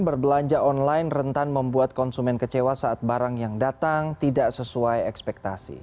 berbelanja online rentan membuat konsumen kecewa saat barang yang datang tidak sesuai ekspektasi